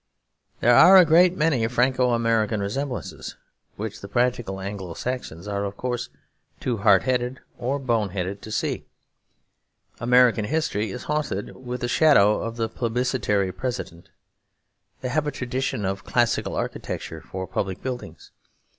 There are a great many Franco American resemblances which the practical Anglo Saxons are of course too hard headed (or boneheaded) to see. American history is haunted with the shadow of the Plebiscitary President; they have a tradition of classical architecture for public buildings.